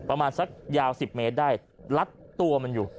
ประมาณสักยาว๑๐เมตรได้ลัดตัวมันอยู่